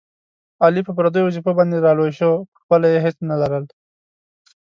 علي په پردیو وظېفو باندې را لوی شو، په خپله یې هېڅ نه لرل.